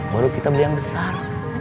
baru kita beli yang besar